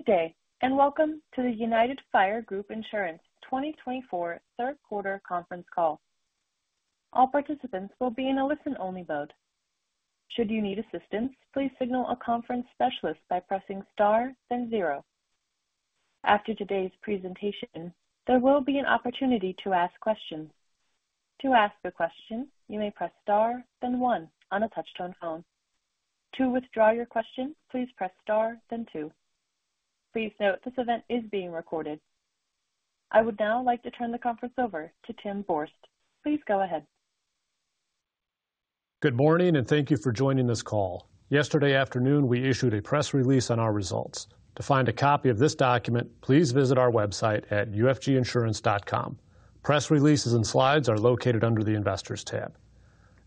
Good day, and welcome to the United Fire Group Insurance 2024 third-quarter conference call. All participants will be in a listen-only mode. Should you need assistance, please signal a conference specialist by pressing star, then zero. After today's presentation, there will be an opportunity to ask questions. To ask a question, you may press star, then one on a touch-tone phone. To withdraw your question, please press star, then two. Please note this event is being recorded. I would now like to turn the conference over to Tim Borst. Please go ahead. Good morning, and thank you for joining this call. Yesterday afternoon, we issued a press release on our results. To find a copy of this document, please visit our website at ufginsurance.com. Press releases and slides are located under the Investors tab.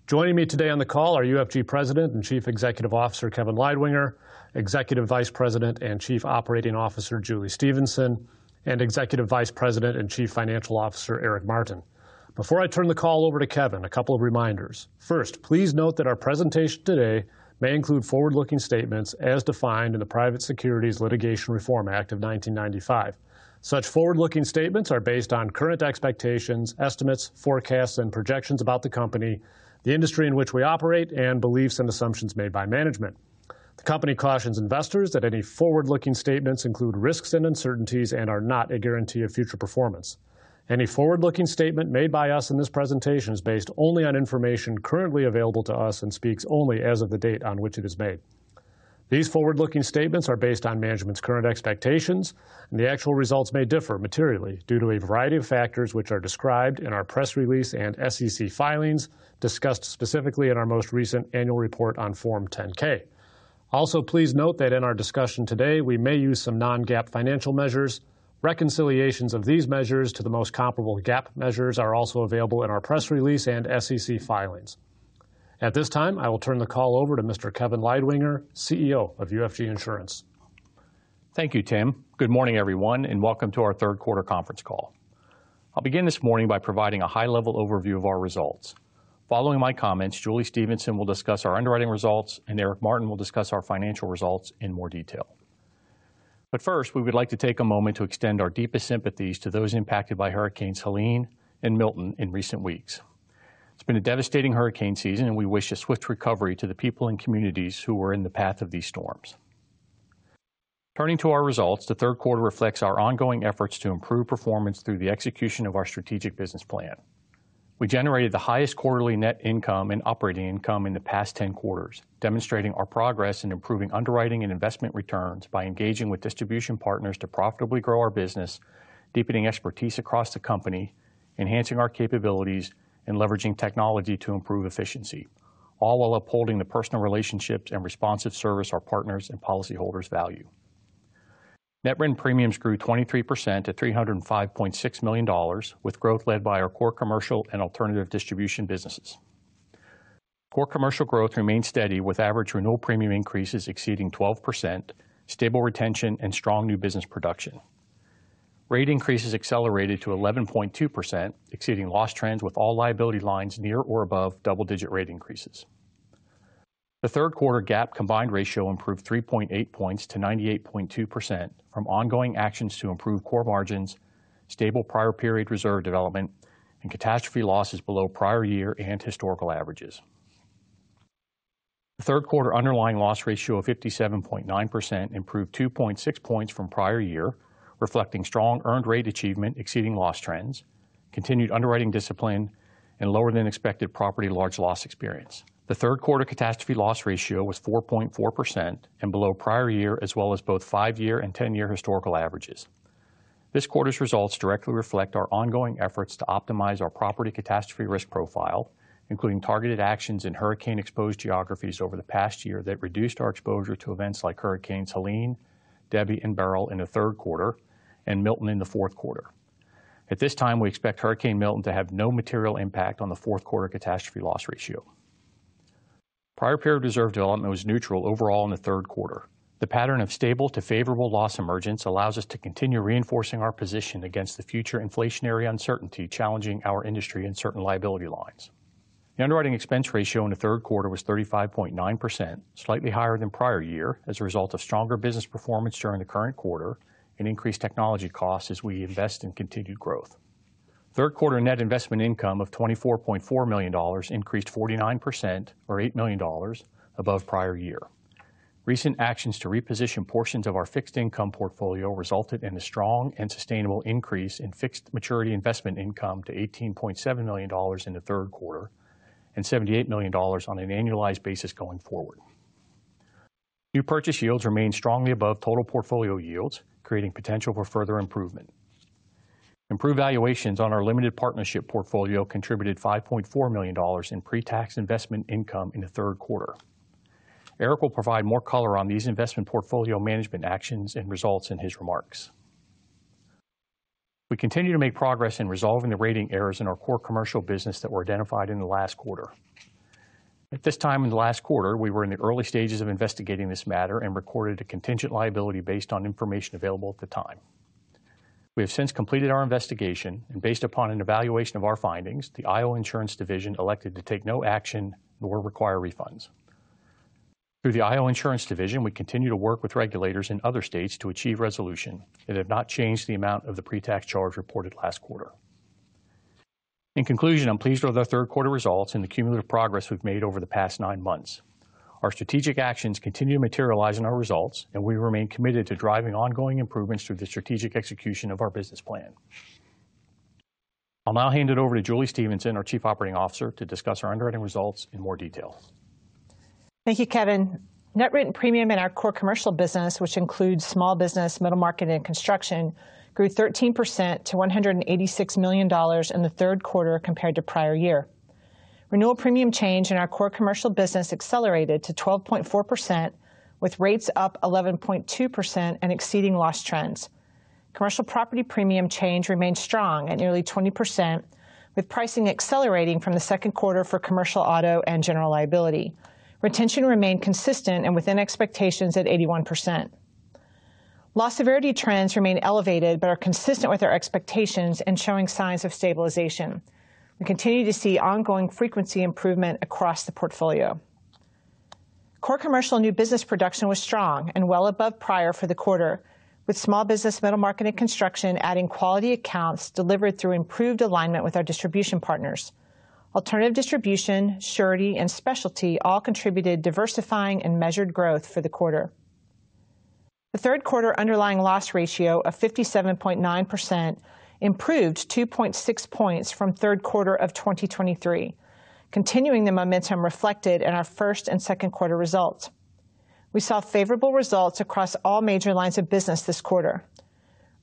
Joining me today on the call are UFG President and Chief Executive Officer Kevin Leidwinger, Executive Vice President and Chief Operating Officer Julie Stephenson, and Executive Vice President and Chief Financial Officer Eric Martin. Before I turn the call over to Kevin, a couple of reminders. First, please note that our presentation today may include forward-looking statements as defined in the Private Securities Litigation Reform Act of 1995. Such forward-looking statements are based on current expectations, estimates, forecasts, and projections about the company, the industry in which we operate, and beliefs and assumptions made by management. The company cautions investors that any forward-looking statements include risks and uncertainties and are not a guarantee of future performance. Any forward-looking statement made by us in this presentation is based only on information currently available to us and speaks only as of the date on which it is made. These forward-looking statements are based on management's current expectations, and the actual results may differ materially due to a variety of factors which are described in our press release and SEC filings discussed specifically in our most recent annual report on Form 10-K. Also, please note that in our discussion today, we may use some non-GAAP financial measures. Reconciliations of these measures to the most comparable GAAP measures are also available in our press release and SEC filings. At this time, I will turn the call over to Mr. Kevin Leidwinger, CEO of UFG Insurance. Thank you, Tim. Good morning, everyone, and welcome to our third-quarter conference call. I'll begin this morning by providing a high-level overview of our results. Following my comments, Julie Stephenson will discuss our underwriting results, and Eric Martin will discuss our financial results in more detail. But first, we would like to take a moment to extend our deepest sympathies to those impacted by Hurricanes Helene and Milton in recent weeks. It's been a devastating hurricane season, and we wish a swift recovery to the people and communities who were in the path of these storms. Turning to our results, the third quarter reflects our ongoing efforts to improve performance through the execution of our strategic business plan. We generated the highest quarterly net income and operating income in the past 10 quarters, demonstrating our progress in improving underwriting and investment returns by engaging with distribution partners to profitably grow our business, deepening expertise across the company, enhancing our capabilities, and leveraging technology to improve efficiency, all while upholding the personal relationships and responsive service our partners and policyholders value. Net written premiums grew 23% to $305.6 million, with growth led by our Core Commercial and Alternative Distribution businesses. Core Commercial growth remained steady, with average renewal premium increases exceeding 12%, stable retention, and strong new business production. Rate increases accelerated to 11.2%, exceeding loss trends with all liability lines near or above double-digit rate increases. The third-quarter GAAP combined ratio improved 3.8 points to 98.2% from ongoing actions to improve core margins, stable prior-period reserve development, and catastrophe losses below prior-year and historical averages. The third-quarter underlying loss ratio of 57.9% improved 2.6 points from prior year, reflecting strong earned rate achievement exceeding loss trends, continued underwriting discipline, and lower-than-expected property large loss experience. The third-quarter catastrophe loss ratio was 4.4% and below prior-year, as well as both five-year and 10-year historical averages. This quarter's results directly reflect our ongoing efforts to optimize our property catastrophe risk profile, including targeted actions in hurricane-exposed geographies over the past year that reduced our exposure to events like Hurricanes Helene, Debby, and Beryl in the third quarter, and Milton in the fourth quarter. At this time, we expect Hurricane Milton to have no material impact on the fourth-quarter catastrophe loss ratio. Prior-period reserve development was neutral overall in the third quarter. The pattern of stable to favorable loss emergence allows us to continue reinforcing our position against the future inflationary uncertainty challenging our industry and certain liability lines. The underwriting expense ratio in the third quarter was 35.9%, slightly higher than prior year as a result of stronger business performance during the current quarter and increased technology costs as we invest in continued growth. Third-quarter net investment income of $24.4 million increased 49%, or $8 million, above prior year. Recent actions to reposition portions of our fixed income portfolio resulted in a strong and sustainable increase in fixed maturity investment income to $18.7 million in the third quarter and $78 million on an annualized basis going forward. New purchase yields remain strongly above total portfolio yields, creating potential for further improvement. Improved valuations on our limited partnership portfolio contributed $5.4 million in pre-tax investment income in the third quarter. Eric will provide more color on these investment portfolio management actions and results in his remarks. We continue to make progress in resolving the rating errors in our Core Commercial business that were identified in the last quarter. At this time in the last quarter, we were in the early stages of investigating this matter and recorded a contingent liability based on information available at the time. We have since completed our investigation, and based upon an evaluation of our findings, the Iowa Insurance Division elected to take no action nor require refunds. Through the Iowa Insurance Division, we continue to work with regulators in other states to achieve resolution and have not changed the amount of the pre-tax charge reported last quarter. In conclusion, I'm pleased with our third-quarter results and the cumulative progress we've made over the past nine months. Our strategic actions continue to materialize in our results, and we remain committed to driving ongoing improvements through the strategic execution of our business plan. I'll now hand it over to Julie Stephenson, our Chief Operating Officer, to discuss our underwriting results in more detail. Thank you, Kevin. Net written premium in our Core Commercial business, which includes small business, middle market, and construction, grew 13% to $186 million in the third quarter compared to prior year. Renewal premium change in our Core Commercial business accelerated to 12.4%, with rates up 11.2% and exceeding loss trends. Commercial property premium change remained strong at nearly 20%, with pricing accelerating from the second quarter for commercial auto and general liability. Retention remained consistent and within expectations at 81%. Loss severity trends remain elevated but are consistent with our expectations and showing signs of stabilization. We continue to see ongoing frequency improvement across the portfolio. Core Commercial new business production was strong and well above prior for the quarter, with small business, middle market, and construction adding quality accounts delivered through improved alignment with our distribution partners. Alternative Distribution, Surety, and Specialty all contributed diversifying and measured growth for the quarter. The third-quarter underlying loss ratio of 57.9% improved 2.6 points from third quarter of 2023, continuing the momentum reflected in our first and second quarter results. We saw favorable results across all major lines of business this quarter.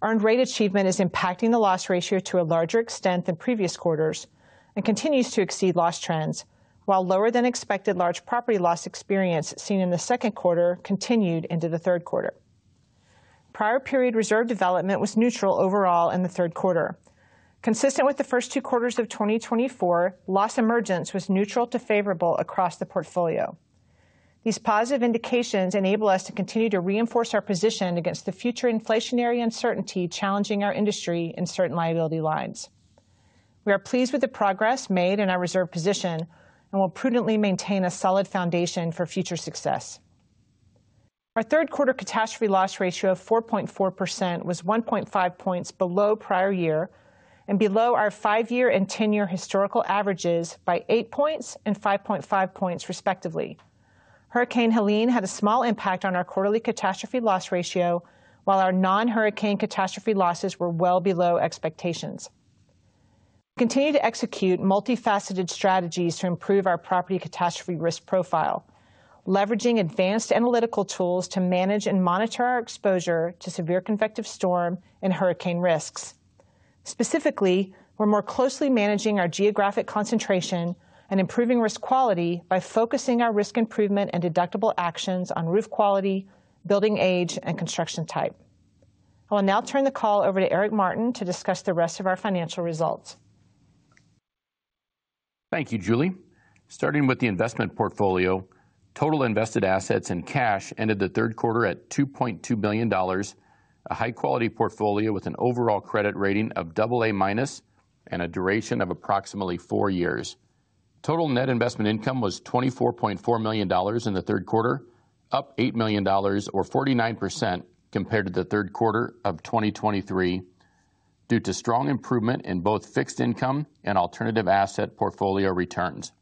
Earned rate achievement is impacting the loss ratio to a larger extent than previous quarters and continues to exceed loss trends, while lower-than-expected large property loss experience seen in the second quarter continued into the third quarter. Prior-period reserve development was neutral overall in the third quarter. Consistent with the first two quarters of 2024, loss emergence was neutral to favorable across the portfolio. These positive indications enable us to continue to reinforce our position against the future inflationary uncertainty challenging our industry and certain liability lines. We are pleased with the progress made in our reserve position and will prudently maintain a solid foundation for future success. Our third-quarter catastrophe loss ratio of 4.4% was 1.5 points below prior year and below our five-year and 10-year historical averages by 8 points and 5.5 points, respectively. Hurricane Helene had a small impact on our quarterly catastrophe loss ratio, while our non-hurricane catastrophe losses were well below expectations. We continue to execute multifaceted strategies to improve our property catastrophe risk profile, leveraging advanced analytical tools to manage and monitor our exposure to severe convective storm and hurricane risks. Specifically, we're more closely managing our geographic concentration and improving risk quality by focusing our risk improvement and deductible actions on roof quality, building age, and construction type. I will now turn the call over to Eric Martin to discuss the rest of our financial results. Thank you, Julie. Starting with the investment portfolio, total invested assets in cash ended the third quarter at $2.2 billion, a high-quality portfolio with an overall credit rating of AA minus and a duration of approximately four years. Total net investment income was $24.4 million in the third quarter, up $8 million, or 49%, compared to the third quarter of 2023, due to strong improvement in both fixed income and alternative asset portfolio returns.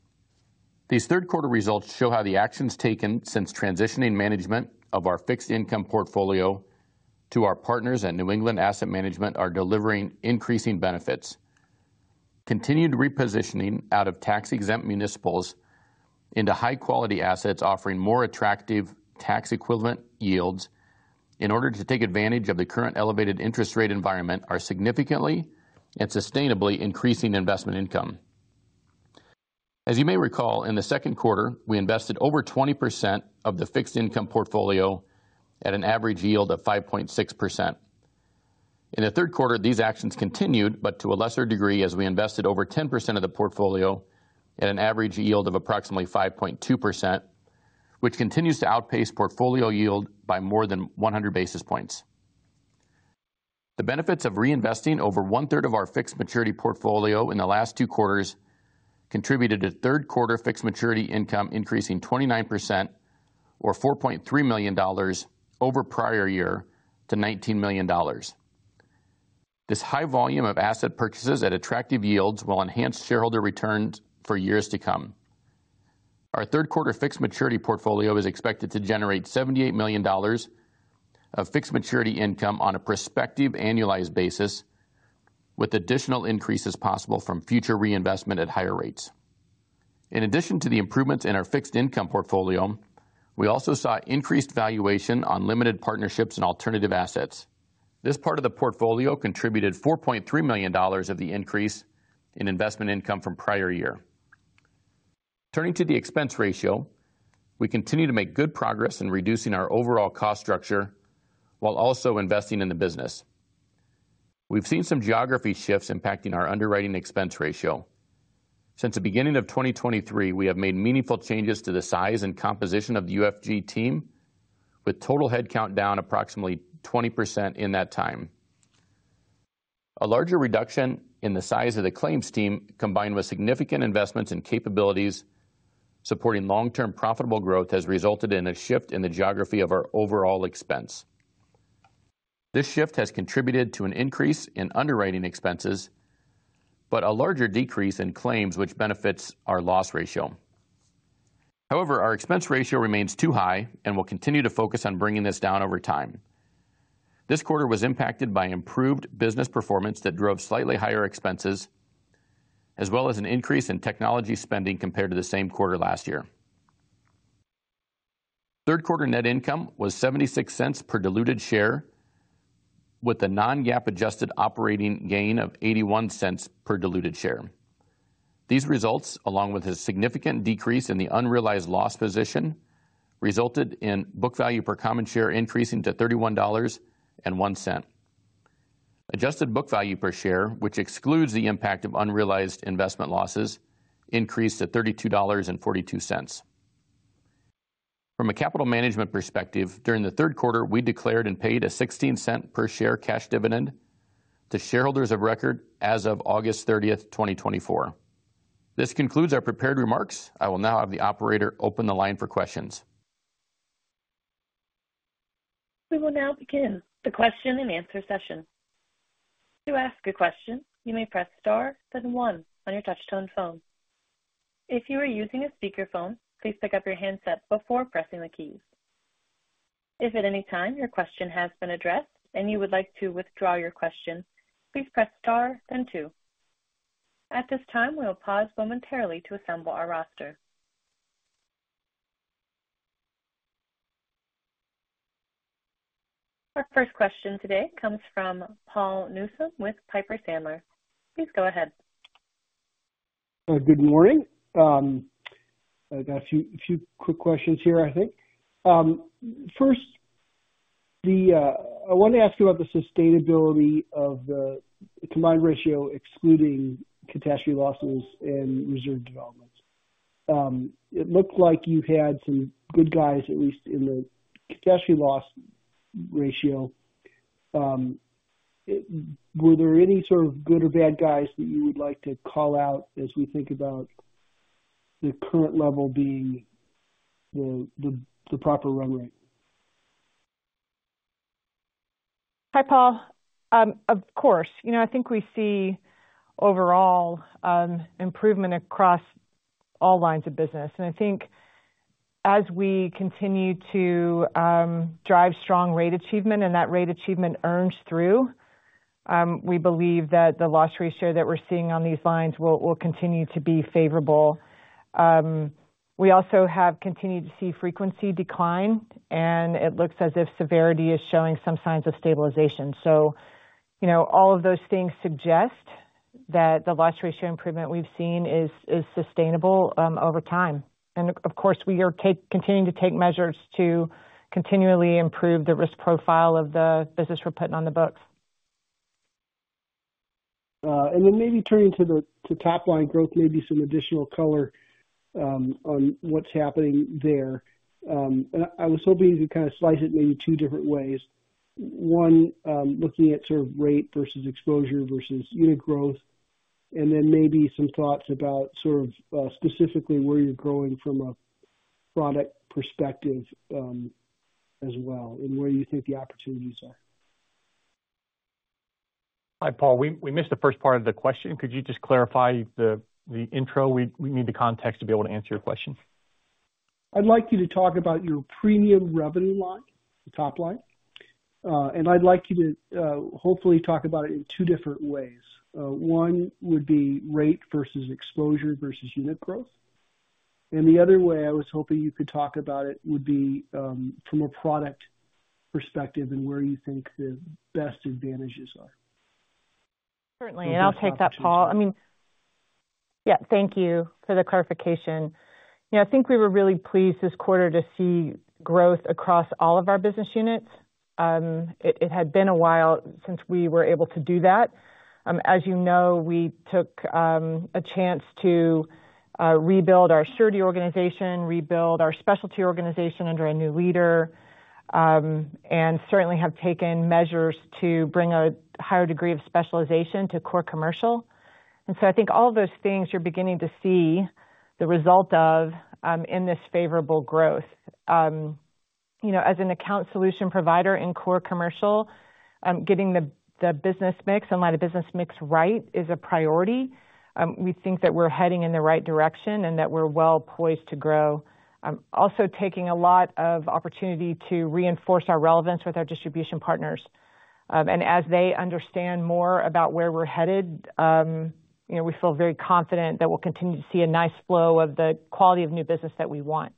These third-quarter results show how the actions taken since transitioning management of our fixed income portfolio to our partners at New England Asset Management are delivering increasing benefits. Continued repositioning out of tax-exempt municipals into high-quality assets offering more attractive tax-equivalent yields in order to take advantage of the current elevated interest rate environment are significantly and sustainably increasing investment income. As you may recall, in the second quarter, we invested over 20% of the fixed income portfolio at an average yield of 5.6%. In the third quarter, these actions continued, but to a lesser degree as we invested over 10% of the portfolio at an average yield of approximately 5.2%, which continues to outpace portfolio yield by more than 100 basis points. The benefits of reinvesting over one-third of our fixed maturity portfolio in the last two quarters contributed to third-quarter fixed maturity income increasing 29%, or $4.3 million, over prior year to $19 million. This high volume of asset purchases at attractive yields will enhance shareholder returns for years to come. Our third-quarter fixed maturity portfolio is expected to generate $78 million of fixed maturity income on a prospective annualized basis, with additional increases possible from future reinvestment at higher rates. In addition to the improvements in our fixed income portfolio, we also saw increased valuation on limited partnerships and alternative assets. This part of the portfolio contributed $4.3 million of the increase in investment income from prior year. Turning to the expense ratio, we continue to make good progress in reducing our overall cost structure while also investing in the business. We've seen some geography shifts impacting our underwriting expense ratio. Since the beginning of 2023, we have made meaningful changes to the size and composition of the UFG team, with total headcount down approximately 20% in that time. A larger reduction in the size of the claims team, combined with significant investments and capabilities supporting long-term profitable growth, has resulted in a shift in the geography of our overall expense. This shift has contributed to an increase in underwriting expenses but a larger decrease in claims, which benefits our loss ratio. However, our expense ratio remains too high and will continue to focus on bringing this down over time. This quarter was impacted by improved business performance that drove slightly higher expenses, as well as an increase in technology spending compared to the same quarter last year. Third-quarter net income was $0.76 per diluted share, with a non-GAAP-adjusted operating gain of $0.81 per diluted share. These results, along with a significant decrease in the unrealized loss position, resulted in book value per common share increasing to $31.01. Adjusted book value per share, which excludes the impact of unrealized investment losses, increased to $32.42. From a capital management perspective, during the third quarter, we declared and paid a $0.16 per share cash dividend to shareholders of record as of August 30, 2024. This concludes our prepared remarks. I will now have the operator open the line for questions. We will now begin the question-and-answer session. To ask a question, you may press star, then one on your touch-tone phone. If you are using a speakerphone, please pick up your handset before pressing the keys. If at any time your question has been addressed and you would like to withdraw your question, please press star, then two. At this time, we'll pause momentarily to assemble our roster. Our first question today comes from Paul Newsome with Piper Sandler. Please go ahead. Good morning. I've got a few quick questions here, I think. First, I wanted to ask you about the sustainability of the combined ratio excluding catastrophe losses and reserve developments. It looked like you had some good guys, at least in the catastrophe loss ratio. Were there any sort of good or bad guys that you would like to call out as we think about the current level being the proper run rate? Hi, Paul. Of course. I think we see overall improvement across all lines of business. I think as we continue to drive strong rate achievement and that rate achievement earns through, we believe that the loss ratio that we're seeing on these lines will continue to be favorable. We also have continued to see frequency decline, and it looks as if severity is showing some signs of stabilization. All of those things suggest that the loss ratio improvement we've seen is sustainable over time. Of course, we are continuing to take measures to continually improve the risk profile of the business we're putting on the books. Then maybe turning to top-line growth, maybe some additional color on what's happening there. I was hoping you could kind of slice it maybe two different ways. One, looking at sort of rate versus exposure versus unit growth, and then maybe some thoughts about sort of specifically where you're growing from a product perspective as well and where you think the opportunities are. Hi, Paul. We missed the first part of the question. Could you just clarify the intro? We need the context to be able to answer your question. I'd like you to talk about your premium revenue line, the top line, and I'd like you to hopefully talk about it in two different ways. One would be rate versus exposure versus unit growth, and the other way I was hoping you could talk about it would be from a product perspective and where you think the best advantages are. Certainly. And I'll take that, Paul. I mean, yeah, thank you for the clarification. I think we were really pleased this quarter to see growth across all of our business units. It had been a while since we were able to do that. As you know, we took a chance to rebuild our surety organization, rebuild our specialty organization under a new leader, and certainly have taken measures to bring a higher degree of specialization to Core Commercial. And so I think all of those things you're beginning to see the result of in this favorable growth. As an account solution provider in Core Commercial, getting the business mix and line of business mix right is a priority. We think that we're heading in the right direction and that we're well poised to grow. Also taking a lot of opportunity to reinforce our relevance with our distribution partners. And as they understand more about where we're headed, we feel very confident that we'll continue to see a nice flow of the quality of new business that we want.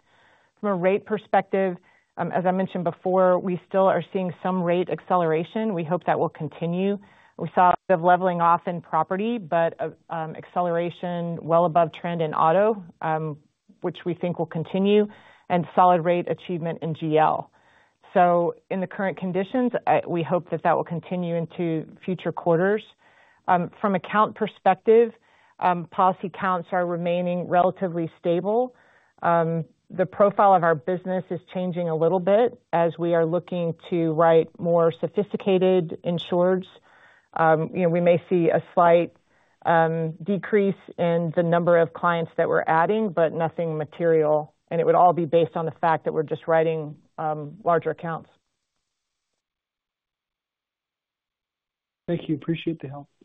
From a rate perspective, as I mentioned before, we still are seeing some rate acceleration. We hope that will continue. We saw a bit of leveling off in property, but acceleration well above trend in auto, which we think will continue, and solid rate achievement in GL. So in the current conditions, we hope that that will continue into future quarters. From account perspective, policy counts are remaining relatively stable. The profile of our business is changing a little bit as we are looking to write more sophisticated insureds. We may see a slight decrease in the number of clients that we're adding, but nothing material. It would all be based on the fact that we're just writing larger accounts. Thank you. Appreciate the help.